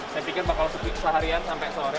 saya pikir bakal sehari hari sampai sore